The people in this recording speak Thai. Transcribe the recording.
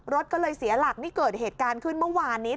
รถก็เลยเสียหลักนี่เกิดเหตุการณ์ขึ้นเมื่อวานนี้